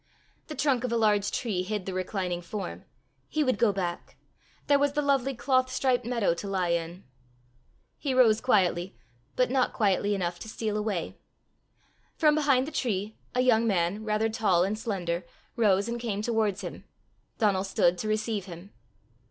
The trunk of a large tree hid the reclining form. He would go back! There was the lovely cloth striped meadow to lie in! He rose quietly, but not quietly enough to steal away. From behind the tree, a young man, rather tall and slender, rose and came towards him. Donal stood to receive him.